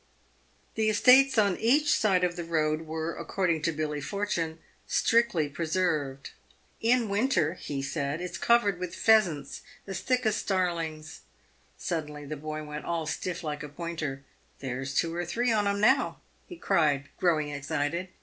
The estates on each side of the road were, according to Billy For tune, strictly preserved. " In winter," he said, " it's covered with pheasants as thick as starlings." Suddenly the boy went all stiff like a pointer. "There's two or three on 'em now," he cried, growing excited.